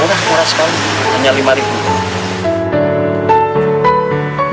udah murah sekali hanya lima ribu